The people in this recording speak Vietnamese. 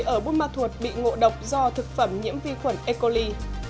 ở bumma thuột bị ngộ độc do thực phẩm nhiễm vi khuẩn e coli